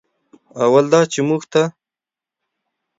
اول دا چې موږ ته